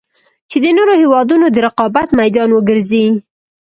چـې د نـورو هېـوادونـو د رقـابـت مـيدان وګـرځـي.